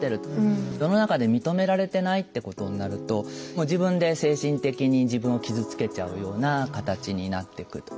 世の中で認められてないってことになると自分で精神的に自分を傷つけちゃうような形になっていく。